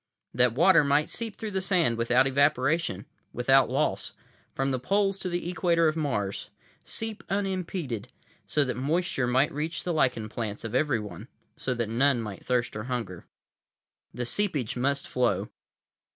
That water might seep through the sand without evaporation, without loss, from the poles to the equator of Mars—seep unimpeded, so that moisture might reach the lichen plants of everyone, so that none might thirst or hunger. The seepage must flow.